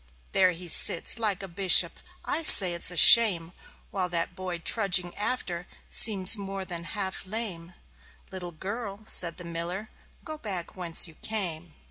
There he sits, like a bishop. I say it's a shame, While that boy trudging after seems more than half lame." "Little girl," said the Miller, "go back whence you came."